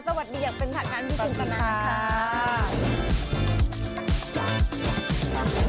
สวัสดีครับเป็นท่านการณ์พี่ถึงกันน่ะค่ะ